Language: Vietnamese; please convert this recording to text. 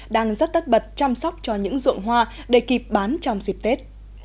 đang rất tất bật chăm sóc cho những ruộng hoa để kịp bán trong dịp tết